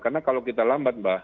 karena kalau kita lambat mbak